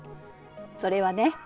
それはね